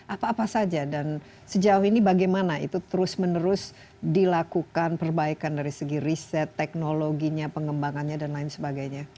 apa apa saja dan sejauh ini bagaimana itu terus menerus dilakukan perbaikan dari segi riset teknologinya pengembangannya dan lain sebagainya